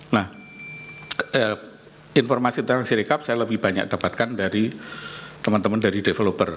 nah informasi tentang sirikap saya lebih banyak dapatkan dari teman teman dari developer